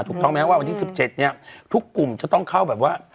ถูกต้องไหมว่าวันที่๑๗เนี่ยทุกกลุ่มจะต้องเข้าแบบว่า